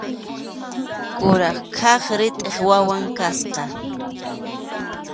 Kuraq kaq ritʼip wawan kasqa.